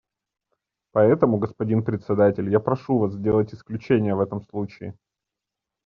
Поэтому, господин Председатель, я прошу Вас сделать исключение в этом случае.